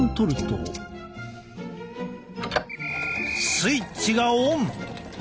スイッチがオン。